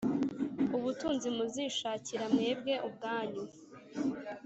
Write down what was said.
ubutunzi muzishakira mwebwe ubwanyu